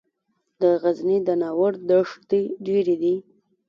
د غزني د ناور دښتې ډیرې دي